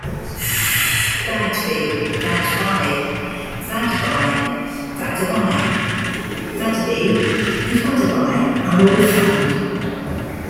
Badby, Badbye, Baddebi, Baddeby, Badebi and Badeby are all found.